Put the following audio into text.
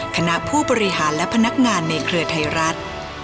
คณะผู้บริหารและพนักงานในเครือไทยรัฐ